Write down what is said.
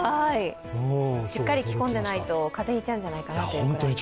しっかり着込んでないと風邪ひいちゃうんじゃないかなと。